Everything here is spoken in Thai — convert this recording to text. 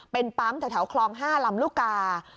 เป็นปั๊มแถวคลอง๕ลำลูกกา